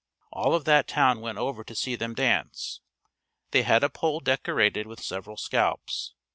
All of that town went over to see them dance. They had a pole decorated with several scalps.